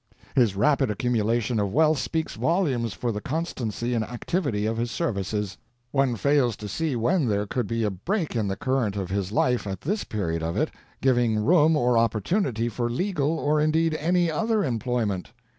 His rapid accumulation of wealth speaks volumes for the constancy and activity of his services. One fails to see when there could be a break in the current of his life at this period of it, giving room or opportunity for legal or indeed any other employment.